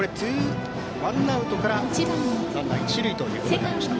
ワンアウトからランナー、一塁となりました。